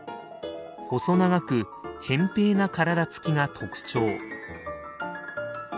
細長くへん平な体つきが特徴。